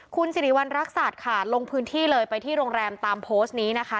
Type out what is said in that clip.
คุณสิริวัณรักษัตริย์ค่ะลงพื้นที่เลยไปที่โรงแรมตามโพสต์นี้นะคะ